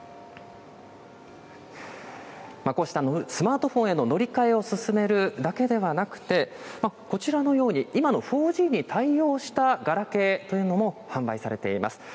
こうしたスマートフォンへの乗り換えを進めるだけではなくて、こちらのように、今の４Ｇに対応したガラケーというのも販売されています。